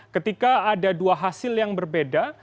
ketika ada dua hasil yang berbeda